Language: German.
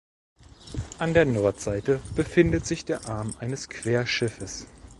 An der Nordseite befindet sich der Arm eines Querschiffes.